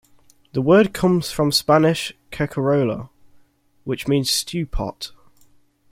The word comes from Spanish "cacerola", which means "stew pot".